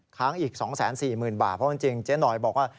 ค้างอีก๒๔๐๐๐บาทเพราะจริงเจ๊หน่อยบอกว่า